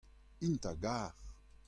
int a gar.